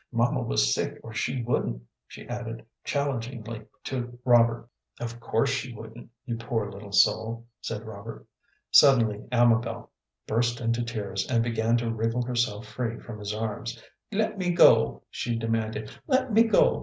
"Mamma was sick or she wouldn't," she added, challengingly, to Robert. "Of course she wouldn't, you poor little soul," said Robert. Suddenly Amabel burst into tears, and began to wriggle herself free from his arms. "Let me go," she demanded; "let me go.